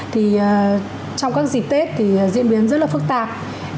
thì trong các dịp tết thì diễn biến rất là phức tạp